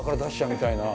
みたいな。